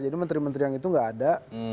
jadi menteri menteri yang itu nggak ada